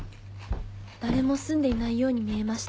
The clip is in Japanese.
誰も住んでいないように見えました。